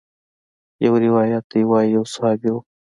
يو روايت ديه وايي يو صحابي و.